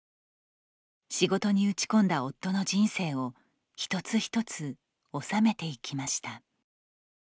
仕事に打ち込んだ夫の人生を一つ一つ納めていきました。